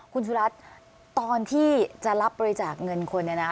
คุณสุรัตน์ตอนที่จะรับบริจาคเงินคนเนี่ยนะ